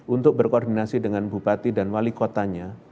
untuk berkoordinasi dengan bupati dan wali kotanya